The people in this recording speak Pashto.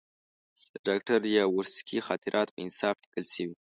د ډاکټر یاورسکي خاطرات په انصاف لیکل شوي.